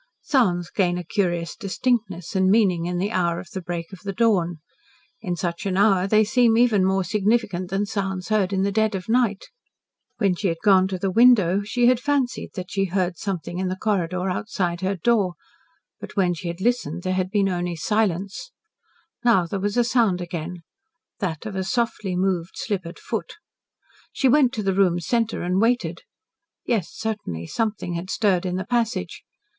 Sounds gain a curious distinctness and meaning in the hour of the break of the dawn; in such an hour they seem even more significant than sounds heard in the dead of night. When she had gone to the window she had fancied that she heard something in the corridor outside her door, but when she had listened there had been only silence. Now there was sound again that of a softly moved slippered foot. She went to the room's centre and waited. Yes, certainly something had stirred in the passage.